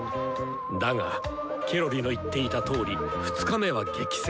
だがケロリの言っていたとおり２日目は激戦！